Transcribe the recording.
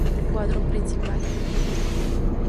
Cuadro Principal